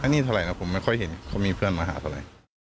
นี่เท่าไหร่นะผมไม่ค่อยเห็นเขามีเพื่อนมาหาเท่าไหร่